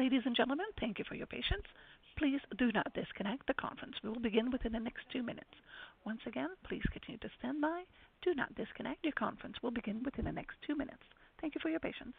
Ladies and gentlemen, thank you for your patience. Please do not disconnect. The conference will begin within the next two minutes. Once again, please continue to stand by. Do not disconnect. Your conference will begin within the next two minutes. Thank you for your patience.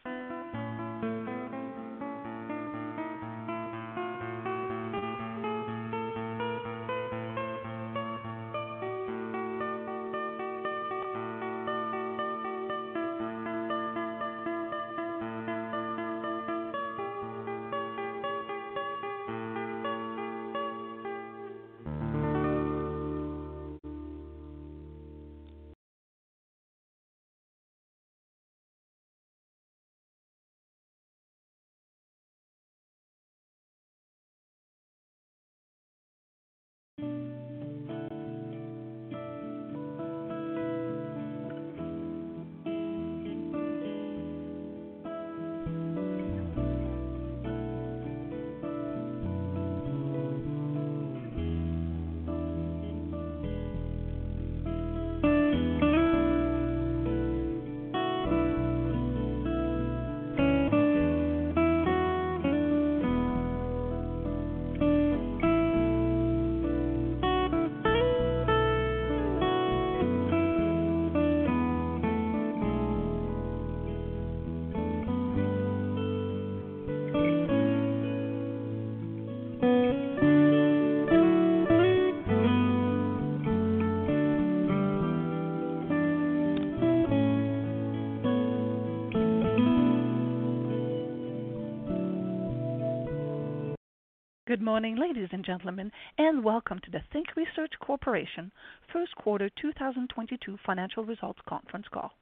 Good morning, ladies and gentlemen, and welcome to the Think Research Corporation First Quarter 2022 Financial Results Conference Call.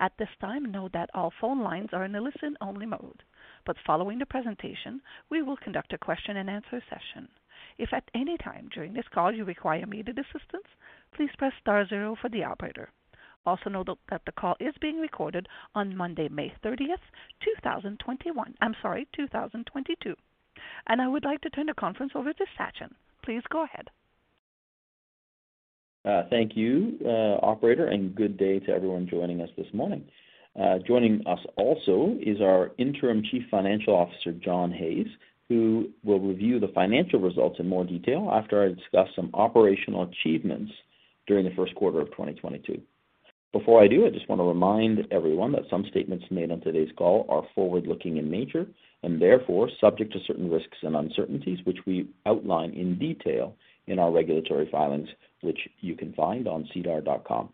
At this time, note that all phone lines are in a listen-only mode, but following the presentation, we will conduct a question-and-answer session. If at any time during this call you require immediate assistance, please press star zero for the operator. Also, note that the call is being recorded on Monday, May 30, 2021. I'm sorry, 2022. I would like to turn the conference over to Sachin. Please go ahead. Thank you, operator, and good day to everyone joining us this morning. Joining us also is our Interim Chief Financial Officer, John Hayes, who will review the financial results in more detail after I discuss some operational achievements during the first quarter of 2022. Before I do, I just wanna remind everyone that some statements made on today's call are forward-looking in nature and therefore subject to certain risks and uncertainties which we outline in detail in our regulatory filings, which you can find on sedar.com.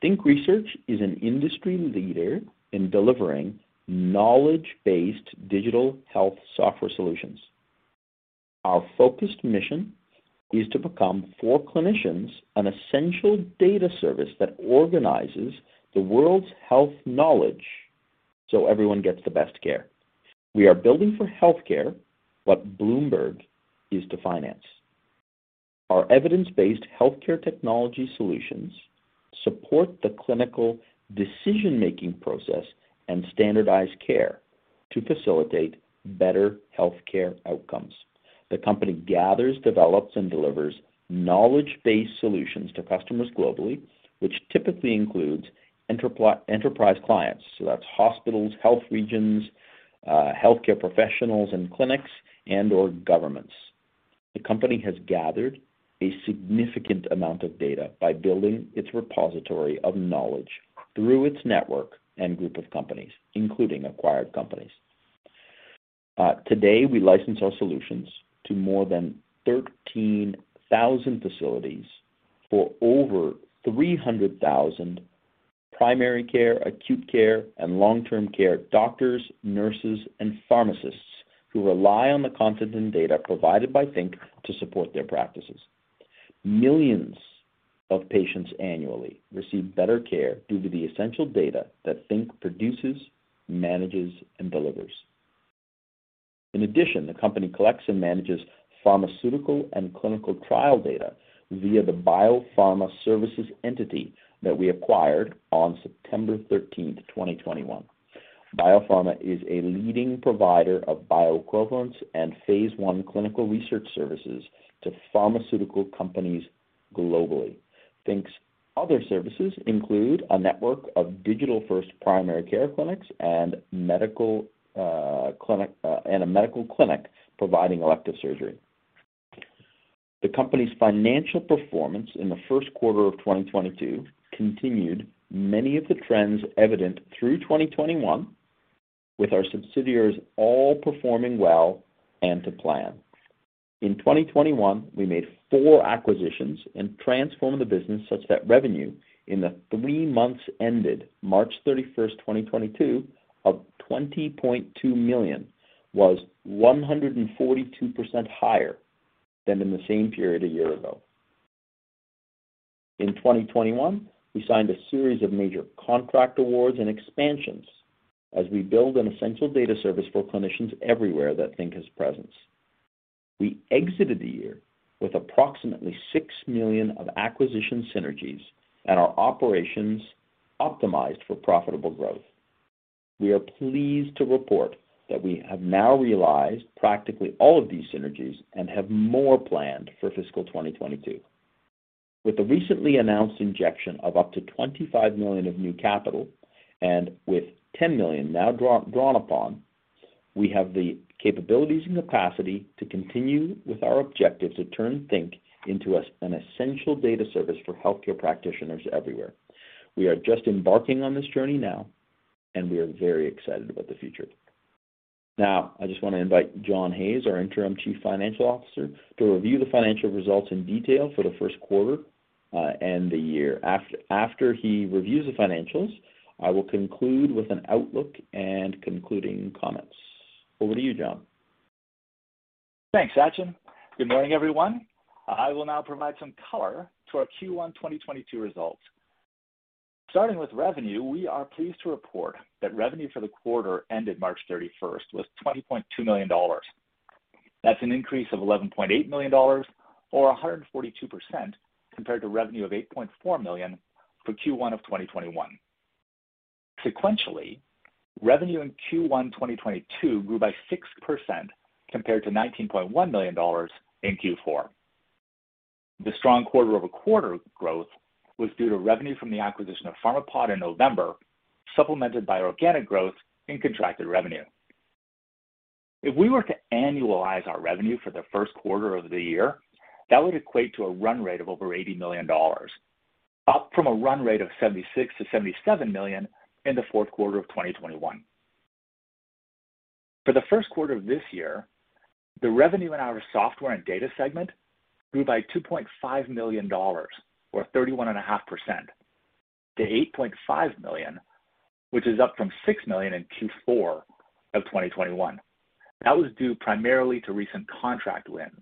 Think Research is an industry leader in delivering knowledge-based digital health software solutions. Our focused mission is to become, for clinicians, an essential data service that organizes the world's health knowledge so everyone gets the best care. We are building for healthcare what Bloomberg is to finance. Our evidence-based healthcare technology solutions support the clinical decision-making process and standardized care to facilitate better healthcare outcomes. The company gathers, develops, and delivers knowledge-based solutions to customers globally, which typically includes inter-enterprise clients, so that's hospitals, health regions, healthcare professionals and clinics, and/or governments. The company has gathered a significant amount of data by building its repository of knowledge through its network and group of companies, including acquired companies. Today, we license our solutions to more than 13,000 facilities for over 300,000 primary care, acute care, and long-term care doctors, nurses, and pharmacists who rely on the content and data provided by Think to support their practices. Millions of patients annually receive better care due to the essential data that Think produces, manages, and delivers. In addition, the company collects and manages pharmaceutical and clinical trial data via the BioPharma Services entity that we acquired on September 13, 2021. BioPharma Services is a leading provider of bioequivalence and phase one clinical research services to pharmaceutical companies globally. Think's other services include a network of digital-first primary care clinics and a medical clinic providing elective surgery. The company's financial performance in the first quarter of 2022 continued many of the trends evident through 2021, with our subsidiaries all performing well and to plan. In 2021, we made four acquisitions and transformed the business such that revenue in the three months ended March 31, 2022, of 20.2 million was 142% higher than in the same period a year ago. In 2021, we signed a series of major contract awards and expansions as we build an essential data service for clinicians everywhere that Think has presence. We exited the year with approximately 6 million of acquisition synergies and our operations optimized for profitable growth. We are pleased to report that we have now realized practically all of these synergies and have more planned for fiscal 2022. With the recently announced injection of up to 25 million of new capital and with 10 million now drawn upon, we have the capabilities and capacity to continue with our objective to turn Think into an essential data service for healthcare practitioners everywhere. We are just embarking on this journey now, and we are very excited about the future. Now I just wanna invite John Hayes, our Interim Chief Financial Officer, to review the financial results in detail for the first quarter and the year. After he reviews the financials, I will conclude with an outlook and concluding comments. Over to you, John. Thanks, Sachin. Good morning, everyone. I will now provide some color to our Q1 2022 results. Starting with revenue, we are pleased to report that revenue for the quarter ended March 31 was 20.2 million dollars. That's an increase of 11.8 million dollars or 142% compared to revenue of 8.4 million for Q1 of 2021. Sequentially, revenue in Q1 2022 grew by 6% compared to 19.1 million dollars in Q4. The strong quarter-over-quarter growth was due to revenue from the acquisition of Pharmapod in November, supplemented by organic growth in contracted revenue. If we were to annualize our revenue for the first quarter of the year, that would equate to a run rate of over 80 million dollars, up from a run rate of 76 million-77 million in the fourth quarter of 2021. For the first quarter of this year, the revenue in our software and data segment grew by 2.5 million dollars or 31.5% to 8.5 million, which is up from 6 million in Q4 of 2021. That was due primarily to recent contract wins.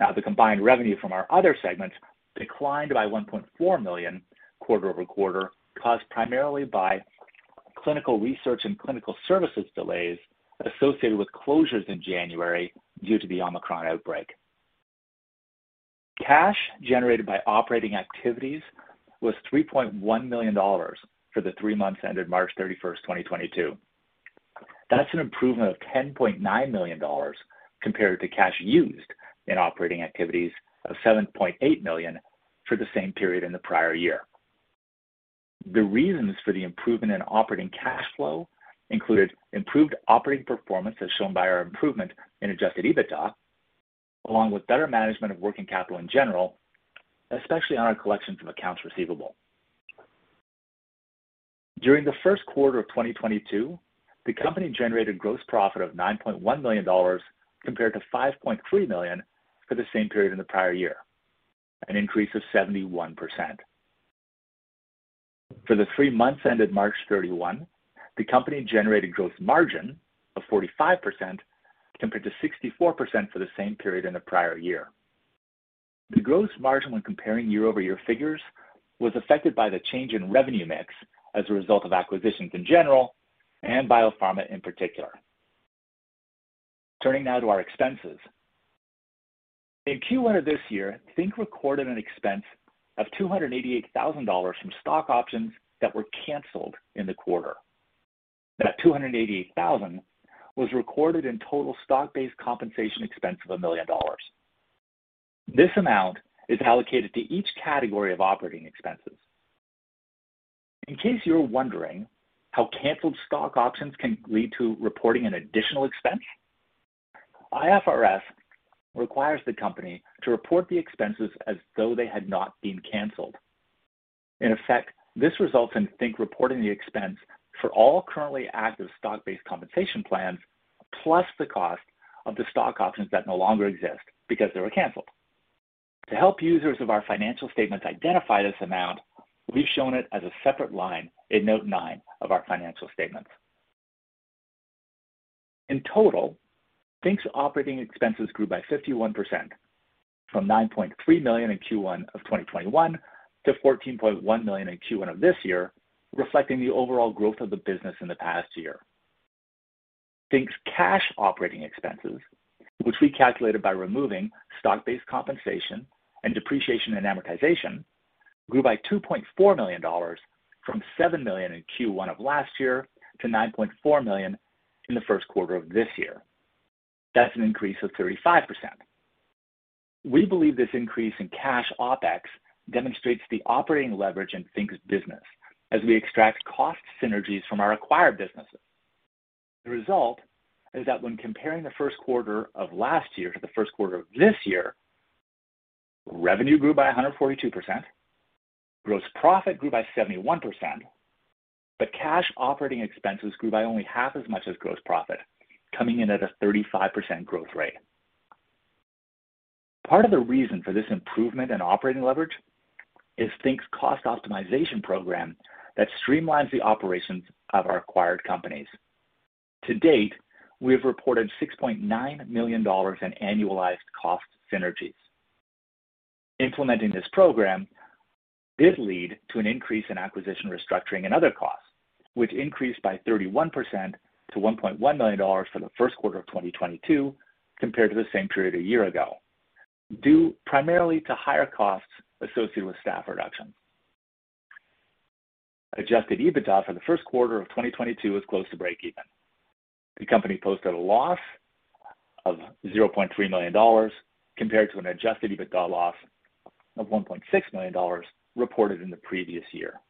Now, the combined revenue from our other segments declined by 1.4 million quarter-over-quarter, caused primarily by clinical research and clinical services delays associated with closures in January due to the Omicron outbreak. Cash generated by operating activities was 3.1 million dollars for the three months ended March 31, 2022. That's an improvement of 10.9 million dollars compared to cash used in operating activities of 7.8 million for the same period in the prior year. The reasons for the improvement in operating cash flow included improved operating performance, as shown by our improvement in Adjusted EBITDA, along with better management of working capital in general, especially on our collections of accounts receivable. During the first quarter of 2022, the company generated gross profit of 9.1 million dollars compared to 5.3 million for the same period in the prior year, an increase of 71%. For the three months ended March 31, the company generated gross margin of 45% compared to 64% for the same period in the prior year. The gross margin when comparing year-over-year figures was affected by the change in revenue mix as a result of acquisitions in general and BioPharma in particular. Turning now to our expenses. In Q1 of this year, Think recorded an expense of 288,000 dollars from stock options that were canceled in the quarter. That 288,000 was recorded in total stock-based compensation expense of 1 million dollars. This amount is allocated to each category of operating expenses. In case you're wondering how canceled stock options can lead to reporting an additional expense, IFRS requires the company to report the expenses as though they had not been canceled. In effect, this results in Think reporting the expense for all currently active stock-based compensation plans, plus the cost of the stock options that no longer exist because they were canceled. To help users of our financial statements identify this amount, we've shown it as a separate line in note 9 of our financial statements. In total, Think's operating expenses grew by 51% from 9.3 million in Q1 of 2021 to 14.1 million in Q1 of this year, reflecting the overall growth of the business in the past year. Think's cash operating expenses, which we calculated by removing stock-based compensation and depreciation and amortization, grew by 2.4 million dollars from 7 million in Q1 of last year to 9.4 million in the first quarter of this year. That's an increase of 35%. We believe this increase in cash OpEx demonstrates the operating leverage in Think's business as we extract cost synergies from our acquired businesses. The result is that when comparing the first quarter of last year to the first quarter of this year, revenue grew by 142%, gross profit grew by 71%, but cash operating expenses grew by only half as much as gross profit, coming in at a 35% growth rate. Part of the reason for this improvement in operating leverage is Think's cost optimization program that streamlines the operations of our acquired companies. To date, we have reported 6.9 million dollars in annualized cost synergies. Implementing this program did lead to an increase in acquisition restructuring and other costs, which increased by 31% to 1.1 million dollars for the first quarter of 2022 compared to the same period a year ago, due primarily to higher costs associated with staff reductions. Adjusted EBITDA for the first quarter of 2022 was close to breakeven. The company posted a loss of 0.3 million dollars compared to an adjusted EBITDA loss of 1.6 million dollars reported in the previous year.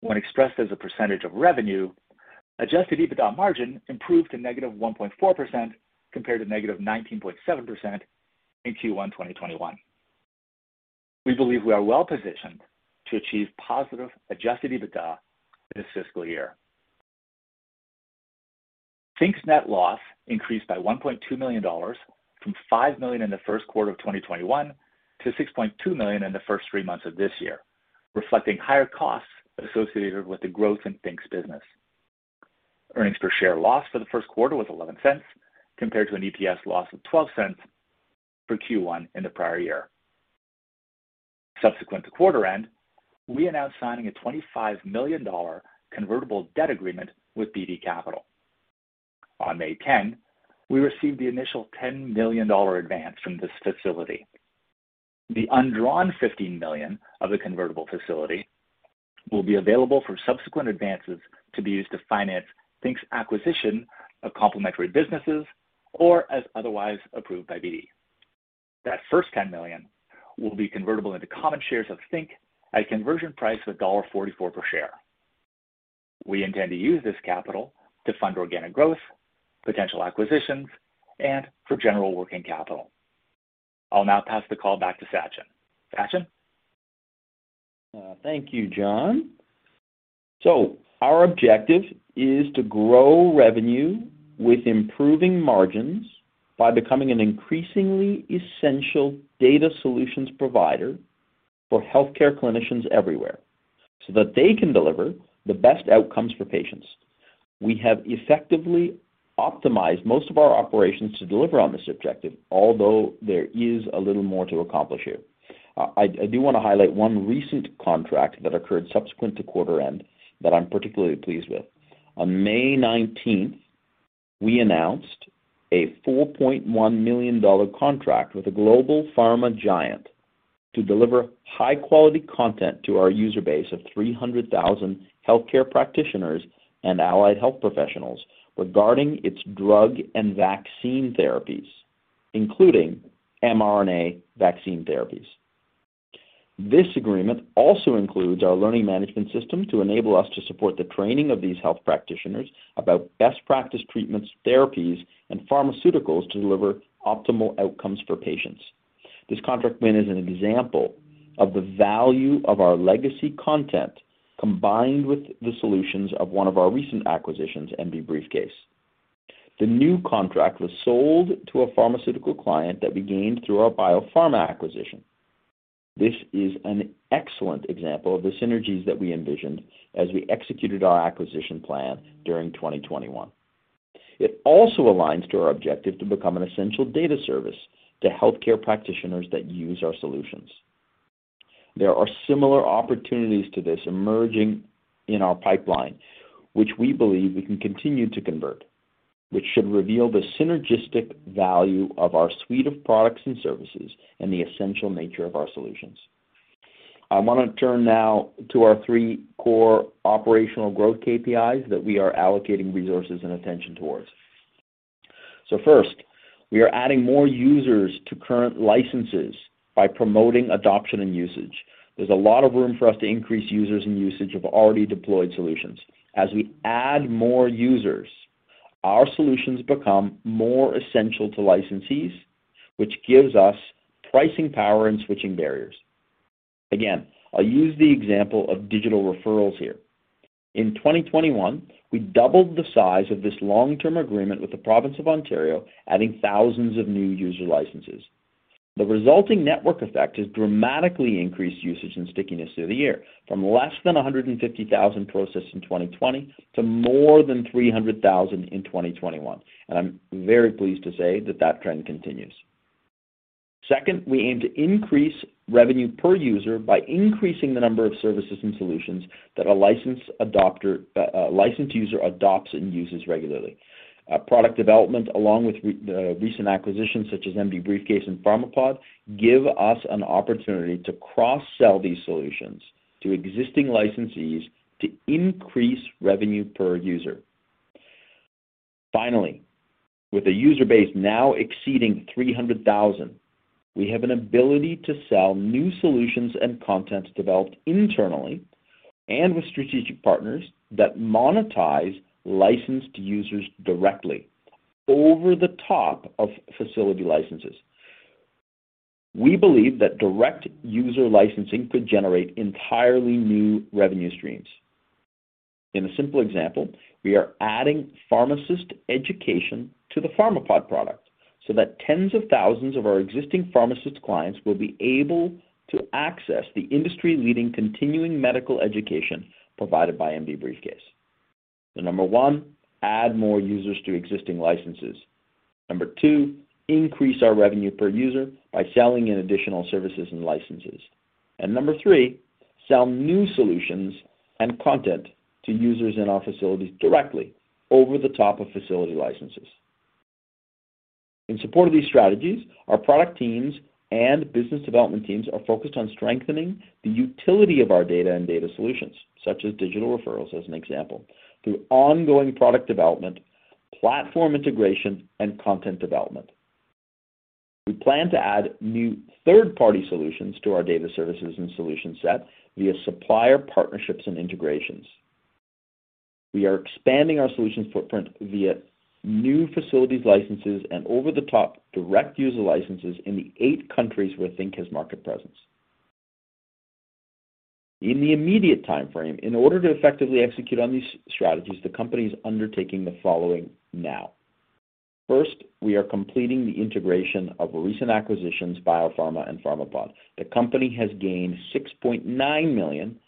When expressed as a percentage of revenue, adjusted EBITDA margin improved to -1.4% compared to -19.7% in Q1 2021. We believe we are well-positioned to achieve positive adjusted EBITDA this fiscal year. Think's net loss increased by 1.2 million dollars from 5 million in the first quarter of 2021 to 6.2 million in the first three months of this year, reflecting higher costs associated with the growth in Think's business. Earnings per share loss for the first quarter was 0.11 compared to an EPS loss of 0.12 for Q1 in the prior year. Subsequent to quarter end, we announced signing a 25 million dollar convertible debt agreement with Beedie Capital. On May 10, we received the initial 10 million dollar advance from this facility. The undrawn 15 million of the convertible facility will be available for subsequent advances to be used to finance Think's acquisition of complementary businesses or as otherwise approved by Beedie Capital. That first 10 million will be convertible into common shares of Think at a conversion price of dollar 1.44 per share. We intend to use this capital to fund organic growth, potential acquisitions, and for general working capital. I'll now pass the call back to Sachin. Sachin? Thank you, John. Our objective is to grow revenue with improving margins by becoming an increasingly essential data solutions provider for healthcare clinicians everywhere so that they can deliver the best outcomes for patients. We have effectively optimized most of our operations to deliver on this objective, although there is a little more to accomplish here. I do wanna highlight one recent contract that occurred subsequent to quarter end that I'm particularly pleased with. On May nineteenth, we announced a 4.1 million dollar contract with a global pharma giant to deliver high-quality content to our user base of 300,000 healthcare practitioners and allied health professionals regarding its drug and vaccine therapies, including mRNA vaccine therapies. This agreement also includes our learning management system to enable us to support the training of these health practitioners about best practice treatments, therapies, and pharmaceuticals to deliver optimal outcomes for patients. This contract win is an example of the value of our legacy content combined with the solutions of one of our recent acquisitions, MDBriefCase. The new contract was sold to a pharmaceutical client that we gained through our BioPharma acquisition. This is an excellent example of the synergies that we envisioned as we executed our acquisition plan during 2021. It also aligns to our objective to become an essential data service to healthcare practitioners that use our solutions. There are similar opportunities to this emerging in our pipeline, which we believe we can continue to convert, which should reveal the synergistic value of our suite of products and services and the essential nature of our solutions. I wanna turn now to our 3 core operational growth KPIs that we are allocating resources and attention towards. First, we are adding more users to current licenses by promoting adoption and usage. There's a lot of room for us to increase users and usage of already deployed solutions. As we add more users, our solutions become more essential to licensees, which gives us pricing power and switching barriers. Again, I'll use the example of digital referrals here. In 2021, we doubled the size of this long-term agreement with the province of Ontario, adding thousands of new user licenses. The resulting network effect has dramatically increased usage and stickiness through the year from less than 150,000 processed in 2020 to more than 300,000 in 2021. I'm very pleased to say that that trend continues. Second, we aim to increase revenue per user by increasing the number of services and solutions that a licensed user adopts and uses regularly. Product development, along with recent acquisitions such as MDBriefCase and Pharmapod, give us an opportunity to cross-sell these solutions to existing licensees to increase revenue per user. Finally, with a user base now exceeding 300,000, we have an ability to sell new solutions and content developed internally and with strategic partners that monetize licensed users directly over the top of facility licenses. We believe that direct user licensing could generate entirely new revenue streams. In a simple example, we are adding pharmacist education to the Pharmapod product, so that tens of thousands of our existing pharmacist clients will be able to access the industry-leading continuing medical education provided by MDBriefCase. Number one, add more users to existing licenses. Number two, increase our revenue per user by selling in additional services and licenses. Number three, sell new solutions and content to users in our facilities directly over the top of facility licenses. In support of these strategies, our product teams and business development teams are focused on strengthening the utility of our data and data solutions, such as digital referrals as an example, through ongoing product development, platform integration, and content development. We plan to add new third-party solutions to our data services and solution set via supplier partnerships and integrations. We are expanding our solutions footprint via new facilities licenses and over-the-top direct user licenses in the eight countries where Think has market presence. In the immediate time frame, in order to effectively execute on these strategies, the company is undertaking the following now. First, we are completing the integration of recent acquisitions, BioPharma and Pharmapod. The company has gained 6.9 million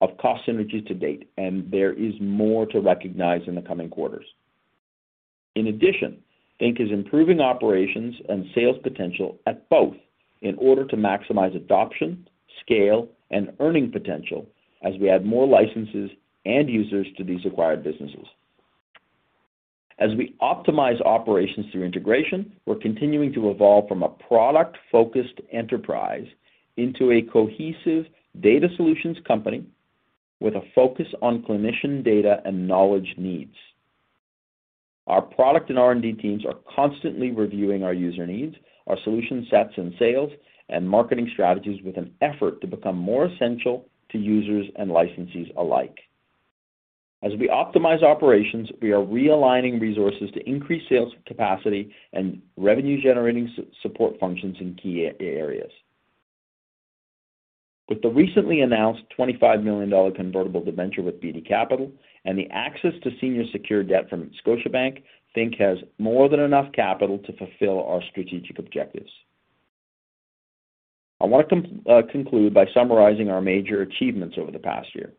of cost synergies to date, and there is more to recognize in the coming quarters. In addition, Think is improving operations and sales potential at both in order to maximize adoption, scale, and earning potential as we add more licenses and users to these acquired businesses. As we optimize operations through integration, we're continuing to evolve from a product-focused enterprise into a cohesive data solutions company with a focus on clinician data and knowledge needs. Our product and R&D teams are constantly reviewing our user needs, our solution sets, and sales and marketing strategies with an effort to become more essential to users and licensees alike. As we optimize operations, we are realigning resources to increase sales capacity and revenue-generating support functions in key areas. With the recently announced 25 million dollar convertible debenture with Beedie Capital and the access to senior secured debt from Scotiabank, Think has more than enough capital to fulfill our strategic objectives. I want to conclude by summarizing our major achievements over the past year.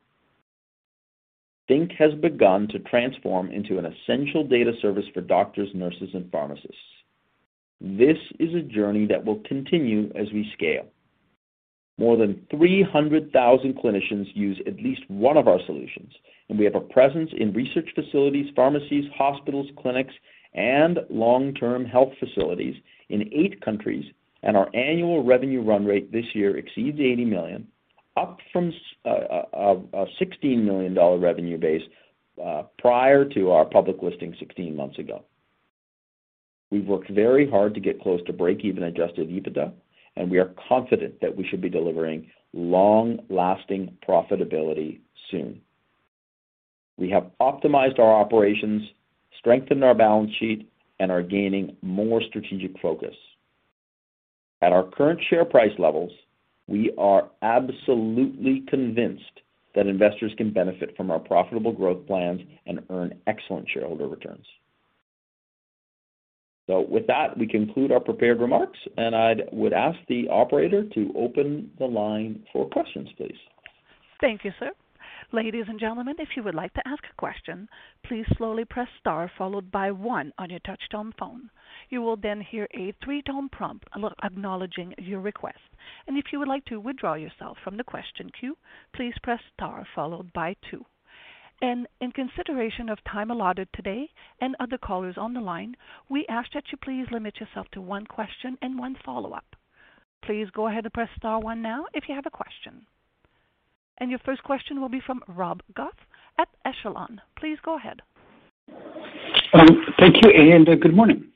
Think has begun to transform into an essential data service for doctors, nurses, and pharmacists. This is a journey that will continue as we scale. More than 300,000 clinicians use at least one of our solutions, and we have a presence in research facilities, pharmacies, hospitals, clinics, and long-term health facilities in eight countries, and our annual revenue run rate this year exceeds 80 million, up from a 16 million dollar revenue base, prior to our public listing 16 months ago. We've worked very hard to get close to break-even Adjusted EBITDA, and we are confident that we should be delivering long-lasting profitability soon. We have optimized our operations, strengthened our balance sheet, and are gaining more strategic focus. At our current share price levels, we are absolutely convinced that investors can benefit from our profitable growth plans and earn excellent shareholder returns. With that, we conclude our prepared remarks, and I'd ask the operator to open the line for questions, please. Thank you, sir. Ladies and gentlemen, if you would like to ask a question, please slowly press star followed by one on your touchtone phone. You will then hear a three-tone prompt acknowledging your request. If you would like to withdraw yourself from the question queue, please press star followed by two. In consideration of time allotted today and other callers on the line, we ask that you please limit yourself to one question and one follow-up. Please go ahead and press star one now if you have a question. Your first question will be from Rob Goff at Echelon. Please go ahead. Thank you and good morning.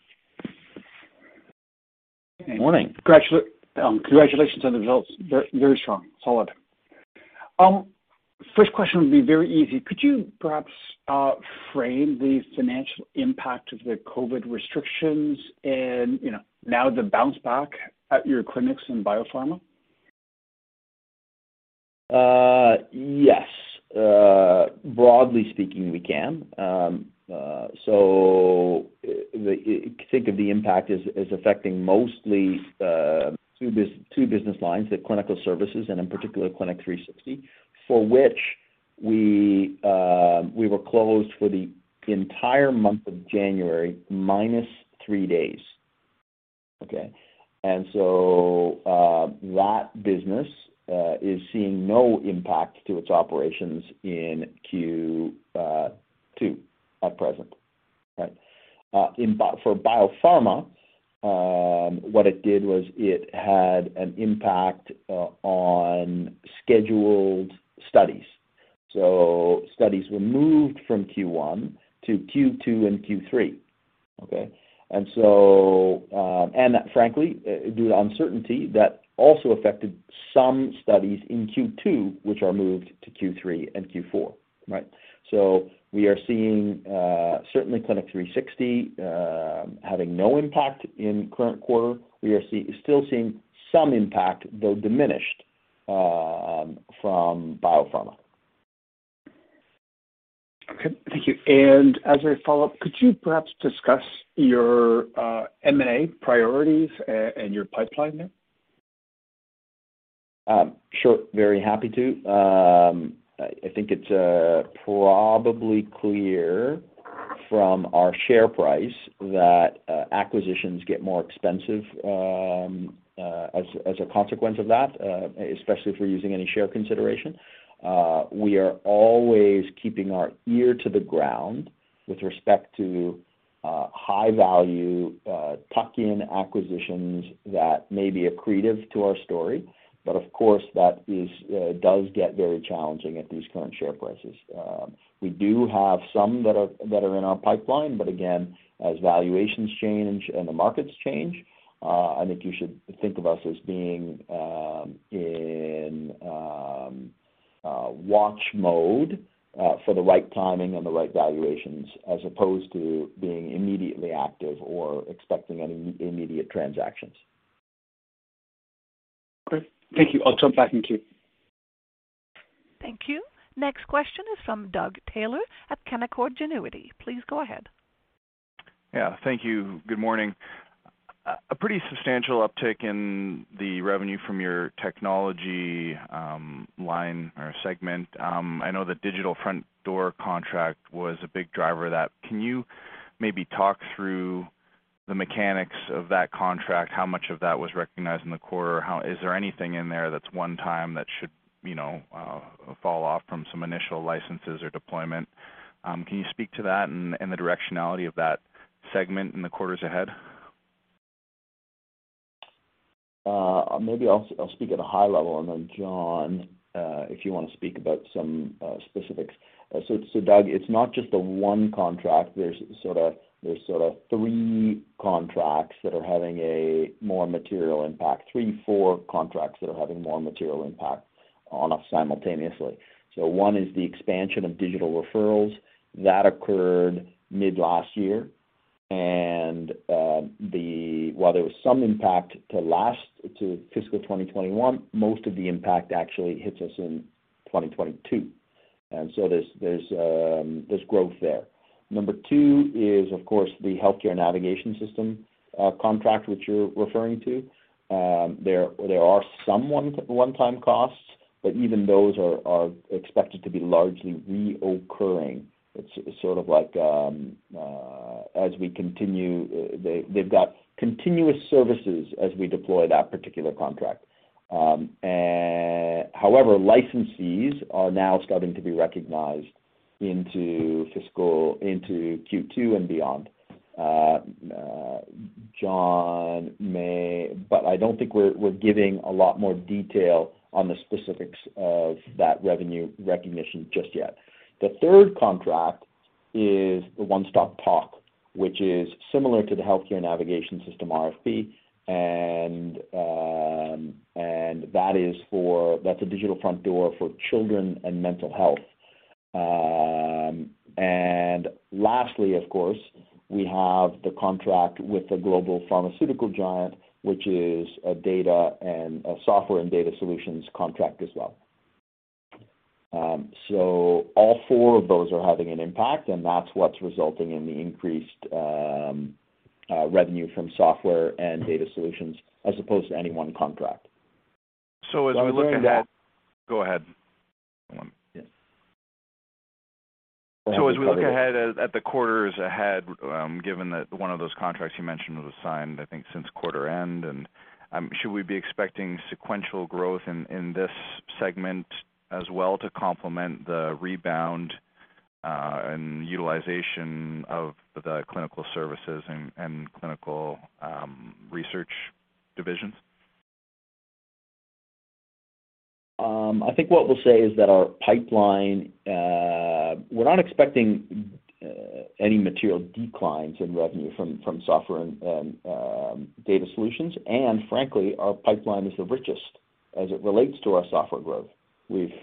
Morning. Congratulations on the results. Very, very strong. Solid. First question will be very easy. Could you perhaps frame the financial impact of the COVID restrictions and, you know, now the bounce back at your clinics in BioPharma? Yes. Broadly speaking, we can. Think of the impact as affecting mostly two business lines, the clinical services and in particular Clinic 360, for which we were closed for the entire month of January minus three days. Okay. That business is seeing no impact to its operations in Q2 at present. Right? For BioPharma, what it did was it had an impact on scheduled studies. Studies were moved from Q1 to Q2 and Q3. Okay? And frankly, due to uncertainty, that also affected some studies in Q2, which are moved to Q3 and Q4. Right? We are seeing certainly Clinic 360 having no impact in current quarter. We are still seeing some impact, though diminished, from BioPharma. Okay, thank you. As a follow-up, could you perhaps discuss your M&A priorities and your pipeline there? Sure. Very happy to. I think it's probably clear from our share price that acquisitions get more expensive as a consequence of that, especially if we're using any share consideration. We are always keeping our ear to the ground with respect to high value tuck-in acquisitions that may be accretive to our story. Of course, that does get very challenging at these current share prices. We do have some that are in our pipeline, but again, as valuations change and the markets change, I think you should think of us as being in watch mode for the right timing and the right valuations as opposed to being immediately active or expecting any immediate transactions. Okay. Thank you. I'll jump back in queue. Thank you. Next question is from Doug Taylor at Canaccord Genuity. Please go ahead. Yeah, thank you. Good morning. A pretty substantial uptick in the revenue from your technology line or segment. I know the Digital Front Door contract was a big driver of that. Can you maybe talk through the mechanics of that contract? How much of that was recognized in the quarter? Is there anything in there that's one time that should, you know, fall off from some initial licenses or deployment? Can you speak to that and the directionality of that segment in the quarters ahead? Maybe I'll speak at a high level and then John, if you wanna speak about some specifics. Doug, it's not just the one contract. There's sort of three contracts that are having a more material impact. Three or four contracts that are having more material impact on us simultaneously. One is the expansion of digital referrals. That occurred mid last year. While there was some impact to last fiscal 2021, most of the impact actually hits us in 2022. There's growth there. Number two is, of course, the healthcare navigation system contract, which you're referring to. There are some one-time costs, but even those are expected to be largely recurring. It's sort of like, as we continue, they've got continuous services as we deploy that particular contract. However, licensees are now starting to be recognized into Q2 and beyond. I don't think we're giving a lot more detail on the specifics of that revenue recognition just yet. The third contract is the One Stop Talk, which is similar to the healthcare navigation system RFP, and that is for-- that's a Digital Front Door for children and mental health. Lastly, of course, we have the contract with the global pharmaceutical giant, which is a data and a software and data solutions contract as well. All four of those are having an impact, and that's what's resulting in the increased revenue from software and data solutions as opposed to any one contract. As we look ahead. I was wondering if. Go ahead. As we look ahead at the quarters ahead, given that one of those contracts you mentioned was signed, I think, since quarter end, and should we be expecting sequential growth in this segment as well to complement the rebound and utilization of the clinical services and clinical research divisions? I think what we'll say is that our pipeline. We're not expecting any material declines in revenue from software and data solutions. Frankly, our pipeline is the richest as it relates to our software growth. We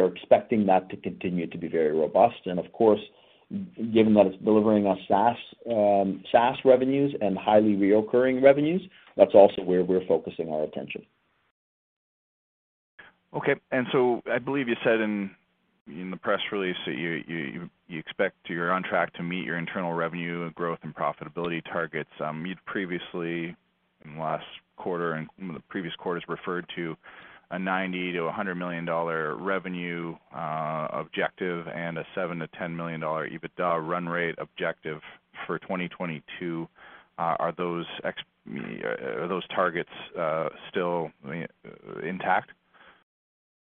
are expecting that to continue to be very robust. Of course, given that it's delivering us SaaS revenues and highly recurring revenues, that's also where we're focusing our attention. Okay. I believe you said in the press release that you expect you're on track to meet your internal revenue growth and profitability targets. You'd previously in the last quarter and the previous quarters referred to a 90 million-100 million dollar revenue objective and a 7 million-10 million dollar EBITDA run rate objective for 2022. Are those targets still intact?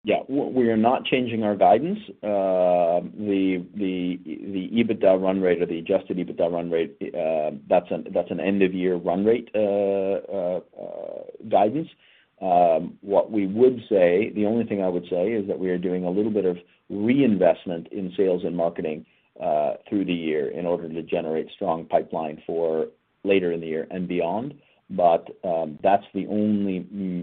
Yeah. We are not changing our guidance. The EBITDA run rate or the Adjusted EBITDA run rate guidance. What we would say, the only thing I would say is that we are doing a little bit of reinvestment in sales and marketing through the year in order to generate strong pipeline for later in the year and beyond. That's the only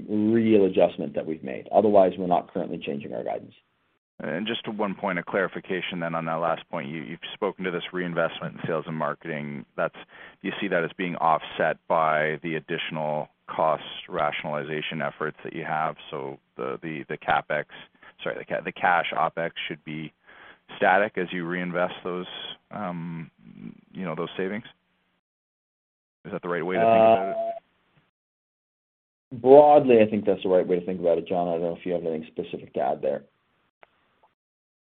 real adjustment that we've made. Otherwise, we're not currently changing our guidance. Just one point of clarification then on that last point. You've spoken to this reinvestment in sales and marketing. That's. You see that as being offset by the additional cost rationalization efforts that you have. The cash OpEx should be static as you reinvest those savings. Is that the right way to think about it? Broadly, I think that's the right way to think about it. John, I don't know if you have anything specific to add there.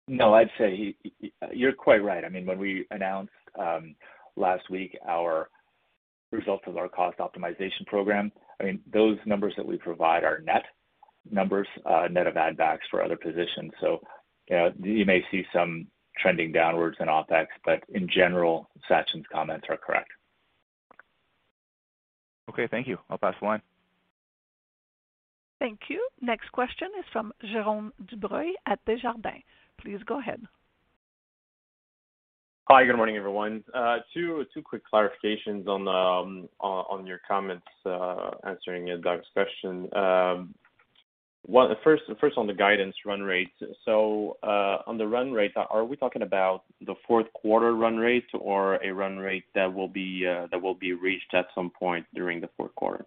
No, I'd say you're quite right. I mean, when we announced last week our results of our cost optimization program, I mean, those numbers that we provide are net numbers, net of add backs for other positions. You know, you may see some trending downwards in OpEx, but in general, Sachin's comments are correct. Okay, thank you. I'll pass the line. Thank you. Next question is from Jerome Dubreuil at Desjardins. Please go ahead. Hi, good morning, everyone. Two quick clarifications on your comments, answering Doug's question. First, on the guidance run rate. On the run rate, are we talking about the fourth quarter run rate or a run rate that will be reached at some point during the fourth quarter?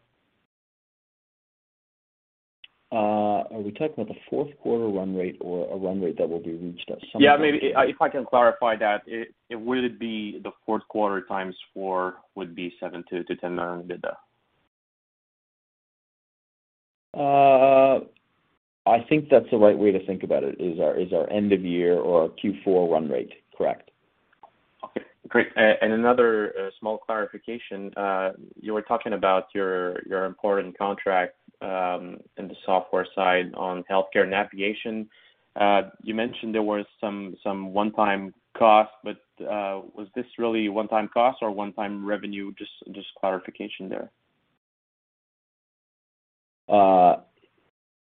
Are we talking about the fourth quarter run rate or a run rate that will be reached at some point during the? Yeah, maybe I can clarify that. It would be the fourth quarter times four would be 7 million-10 million in the. I think that's the right way to think about it, is our end of year or Q4 run rate. Correct. Okay, great. Another small clarification. You were talking about your important contract in the software side on healthcare navigation. You mentioned there were some one-time costs, but was this really one-time costs or one-time revenue? Just clarification there.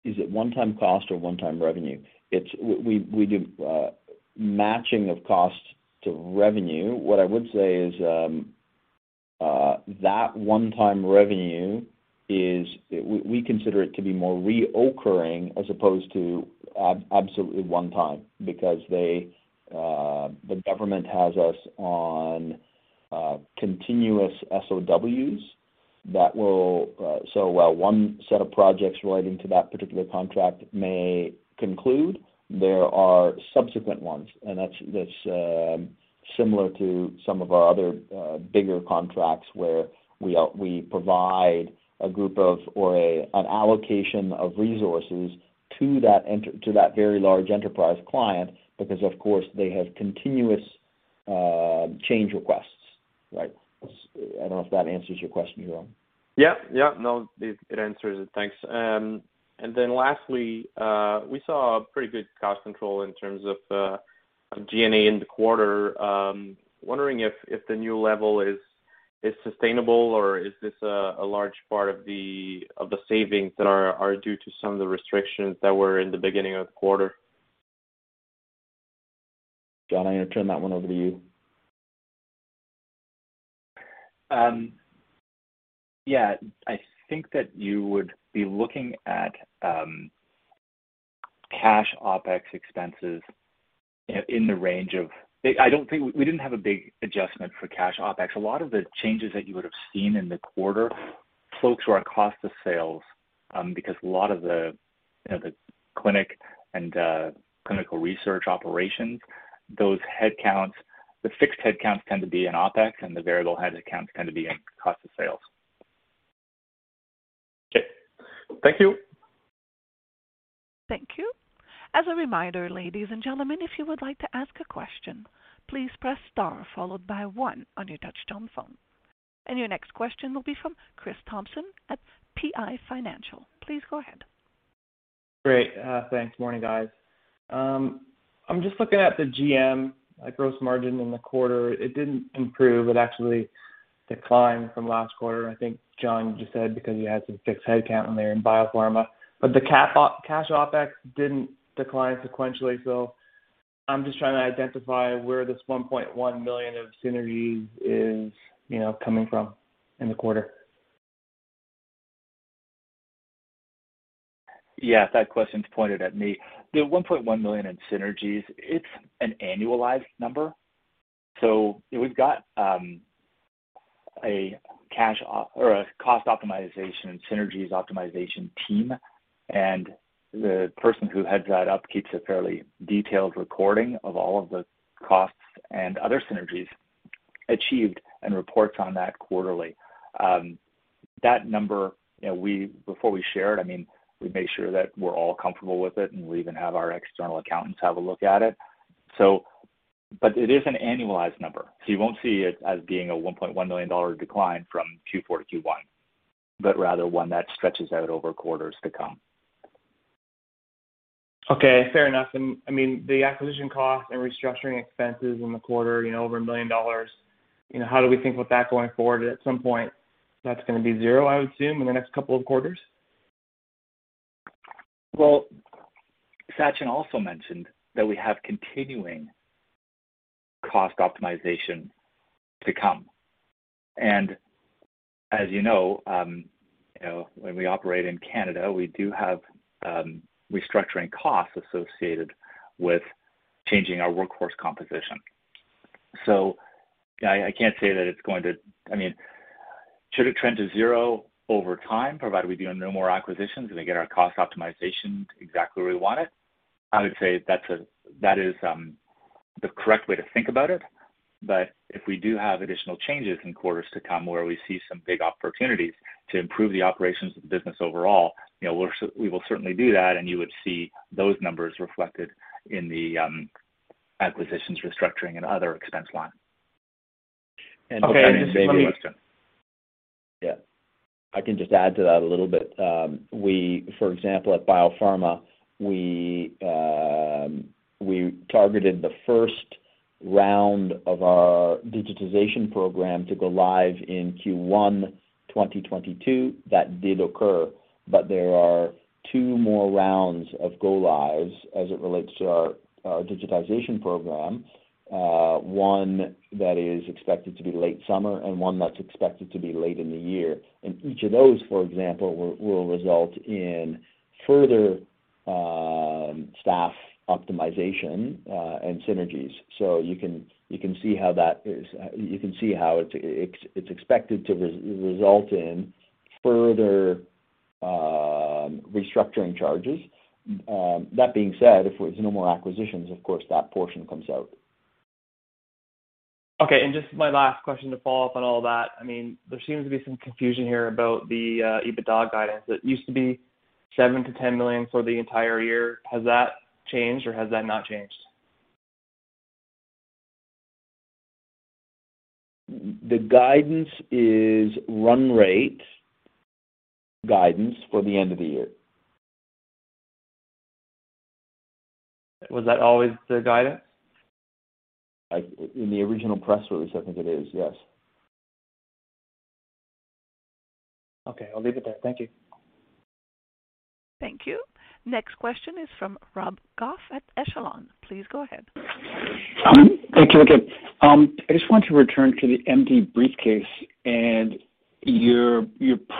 Is it one-time cost or one-time revenue? It's we do matching of costs to revenue. What I would say is that one-time revenue is. We consider it to be more recurring as opposed to absolutely one time because the government has us on continuous SOWs that will. So while one set of projects relating to that particular contract may conclude, there are subsequent ones. That's similar to some of our other bigger contracts where we provide a group of or an allocation of resources to that very large enterprise client because of course, they have continuous change requests, right? I don't know if that answers your question, Jerome. Yeah. No, it answers it. Thanks. Then lastly, we saw a pretty good cost control in terms of G&A in the quarter. Wondering if the new level is sustainable or is this a large part of the savings that are due to some of the restrictions that were in the beginning of the quarter? John, I'm gonna turn that one over to you. Yeah. I think that you would be looking at cash OpEx expenses. We didn't have a big adjustment for cash OpEx. A lot of the changes that you would have seen in the quarter for cost of sales, because a lot of the, you know, the clinic and clinical research operations, those headcounts, the fixed headcounts tend to be in OpEx, and the variable headcounts tend to be in cost of sales. Okay. Thank you. Thank you. As a reminder, ladies and gentlemen, if you would like to ask a question, please press star followed by one on your touch-tone phone. Your next question will be from Chris Thompson at PI Financial. Please go ahead. Great. Thanks. Morning, guys. I'm just looking at the GM, gross margin in the quarter. It didn't improve. It actually declined from last quarter, I think John just said, because you had some fixed headcount in there in BioPharma. But the cash OpEx didn't decline sequentially. I'm just trying to identify where this 1.1 million of synergies is coming from in the quarter. Yes, that question's pointed at me. The 1.1 million in synergies, it's an annualized number. We've got a cash or a cost optimization, synergies optimization team. The person who heads that up keeps a fairly detailed recording of all of the costs and other synergies achieved and reports on that quarterly. That number, you know, before we share it, I mean, we make sure that we're all comfortable with it and we even have our external accountants have a look at it. But it is an annualized number, so you won't see it as being a 1.1 million dollar decline from Q4 to Q1, but rather one that stretches out over quarters to come. Okay, fair enough. I mean, the acquisition cost and restructuring expenses in the quarter, you know, over 1 million dollars. You know, how do we think about that going forward? At some point, that's gonna be zero, I would assume, in the next couple of quarters. Well, Sachin also mentioned that we have continuing cost optimization to come. As you know, when we operate in Canada, we do have restructuring costs associated with changing our workforce composition. I can't say that it's going to. I mean, should it trend to zero over time, provided we do no more acquisitions and we get our cost optimization exactly where we want it, I would say that is. The correct way to think about it, but if we do have additional changes in quarters to come where we see some big opportunities to improve the operations of the business overall, you know, we will certainly do that, and you would see those numbers reflected in the acquisitions, restructuring, and other expense line. Okay. Just one more question. Yeah. I can just add to that a little bit. For example, at BioPharma, we targeted the first round of our digitization program to go live in Q1 2022. That did occur, but there are two more rounds of go lives as it relates to our digitization program. One that is expected to be late summer and one that's expected to be late in the year. Each of those, for example, will result in further staff optimization and synergies. You can see how that is expected to result in further restructuring charges. That being said, if there's no more acquisitions, of course, that portion comes out. Okay. Just my last question to follow up on all that. I mean, there seems to be some confusion here about the EBITDA guidance. It used to be 7 million-10 million for the entire year. Has that changed or has that not changed? The guidance is run rate guidance for the end of the year. Was that always the guidance? In the original press release, I think it is, yes. Okay. I'll leave it there. Thank you. Thank you. Next question is from Rob Goff at Echelon. Please go ahead. Thank you again. I just want to return to the MDBriefCase and your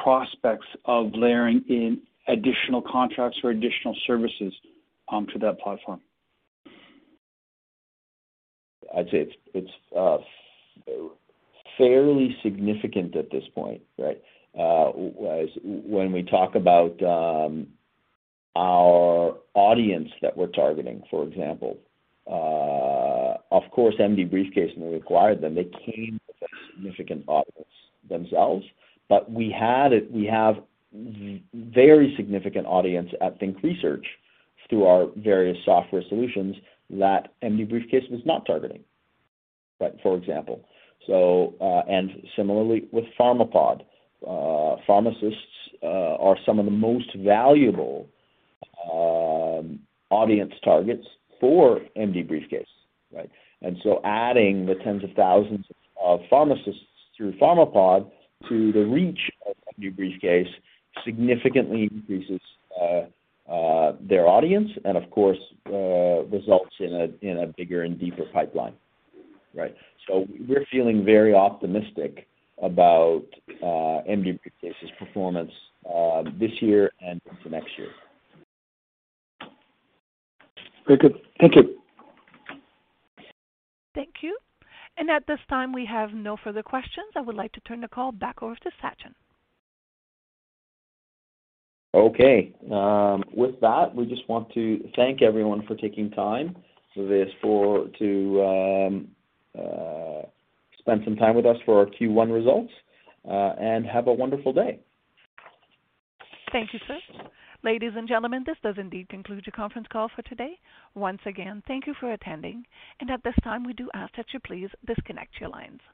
prospects of layering in additional contracts or additional services to that platform. I'd say it's fairly significant at this point, right? As when we talk about our audience that we're targeting, for example, of course, MDBriefCase may require them. They came with a significant audience themselves. We have very significant audience at Think Research through our various software solutions that MDBriefCase was not targeting, right? For example. And similarly with Pharmapod. Pharmacists are some of the most valuable audience targets for MDBriefCase, right? Adding the tens of thousands of pharmacists through Pharmapod to the reach of MDBriefCase significantly increases their audience and of course results in a bigger and deeper pipeline, right? We're feeling very optimistic about MDBriefCase's performance this year and into next year. Very good. Thank you. Thank you. At this time, we have no further questions. I would like to turn the call back over to Sachin. Okay. With that, we just want to thank everyone for taking time to spend some time with us for our Q1 results, and have a wonderful day. Thank you, sir. Ladies and gentlemen, this does indeed conclude your conference call for today. Once again, thank you for attending. At this time, we do ask that you please disconnect your lines.